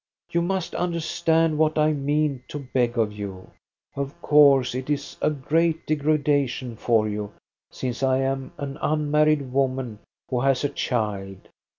You must understand what I mean to beg of you. Of course it is a great degradation for you, since I am an unmarried woman who has a child.